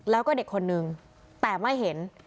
แล้วก็เด็กคนนึงแต่ไม่เห็น